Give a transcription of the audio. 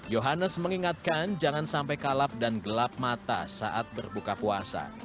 yohanes mengingatkan jangan sampai kalap dan gelap mata saat berbuka puasa